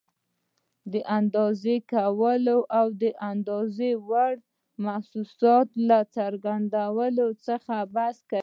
د اندازه کولو او د اندازې وړ محسوساتو له څرنګوالي څخه بحث کوي.